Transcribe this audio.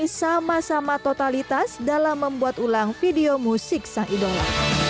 kiyo dan kiyo berbakat ini sama sama totalitas dalam membuat ulang video musik sahidola